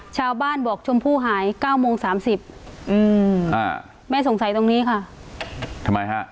ชาวบ้านบอกชมพู่หาย๙โมง๓๐แม่สงสัยตรงนี้ค่ะทำไมฮะ